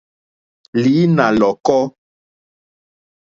Lǐnà lɔ̀kɔ́.